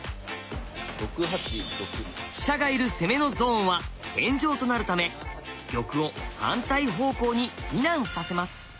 飛車がいる攻めのゾーンは戦場となるため玉を反対方向に避難させます。